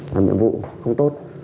là nhiệm vụ không tốt